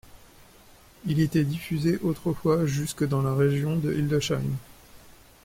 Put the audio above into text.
Il était diffusé autrefois jusque dans la région de Hildesheim.